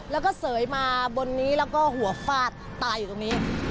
แล้วก็เสยมาบนนี้แล้วก็หัวฟาดตายอยู่ตรงนี้